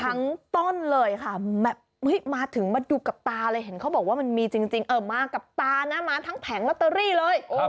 ต้นเลยค่ะแบบมาถึงมาดูกับตาเลยเห็นเขาบอกว่ามันมีจริงมากับตานะมาทั้งแผงลอตเตอรี่เลย